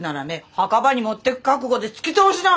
墓場に持ってく覚悟でつき通しな！